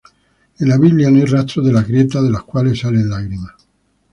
En la Biblia no hay rastro de las grietas de las cuales salen lágrimas.